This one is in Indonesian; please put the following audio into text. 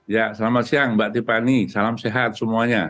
ya selamat siang mbak tiffany salam sehat semuanya